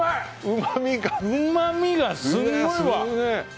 うまみがすごいわ。